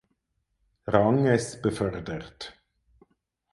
Ranges befördert.